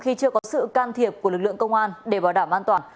khi chưa có sự can thiệp của lực lượng công an để bảo đảm an toàn